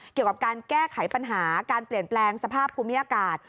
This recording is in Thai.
เกี่ยวกับการแก้ไขปัญหาการเปลี่ยนแปลงสภาพภูมิอากาศ